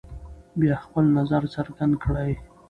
بیا خپل نظر څرګند کړئ.